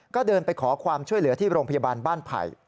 ก็เดินไปขอความช่วยเหลือที่โรงพยาบาลบ้านไผ่